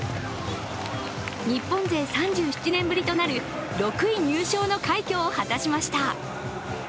日本勢３７年ぶりとなる６位入賞の快挙を果たしました。